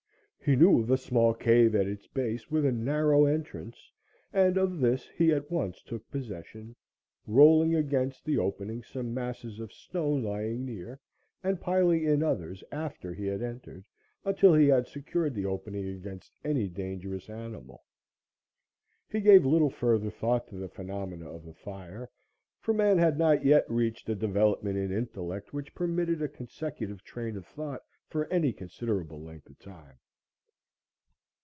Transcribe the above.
He knew of a small cave at its base with a narrow entrance, and of this he at once took possession, rolling against the opening some masses of stone lying near and piling in others after he had entered, until he had secured the opening against any dangerous animal. He gave little further thought to the phenomena of the fire, for man had not yet reached a development in intellect which permitted a consecutive train of thought for any considerable length of time.